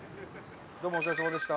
どうもお世話さまでした。